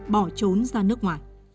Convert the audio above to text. bỏ trốn ra nước ngoài